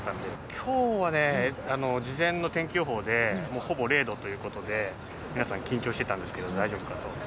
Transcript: きょうはね、事前の天気予報でほぼ０度ということで、皆さん、緊張してたんですけど、大丈夫かと。